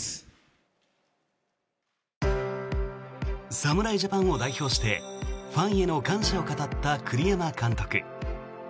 侍ジャパンを代表してファンへの感謝を語った栗山監督。